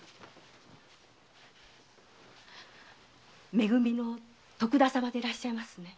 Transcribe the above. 「め組」の徳田様でいらっしゃいますね？